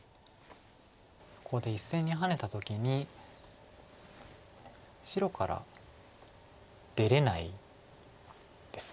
ここで１線にハネた時に白から出れないです。